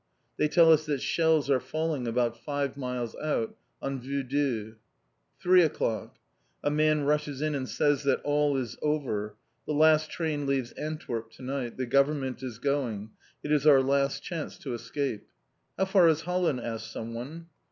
They tell us that shells are falling about five miles out, on Vieux Dieux. Three o'clock. A man rushes in and says that all is over; the last train leaves Antwerp to night; the Government is going; it is our last chance to escape. "How far is Holland?" asks someone.